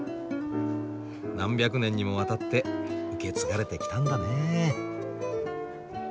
何百年にもわたって受け継がれてきたんだね。